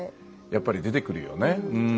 やっぱり出てくるよね。